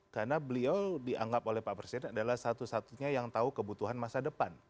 karena beliau dianggap oleh pak presiden adalah satu satunya yang tahu kebutuhan masa depan